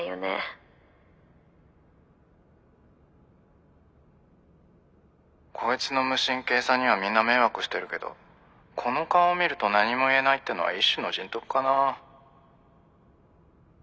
心の声こいつの無神経さにはみんな迷惑してるけどこの顔を見ると何も言えないってのは一種の人徳かなぁ。